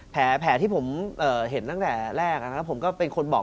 แผลที่ผมเห็นตั้งแต่แรกนะครับผมก็เป็นคนบอก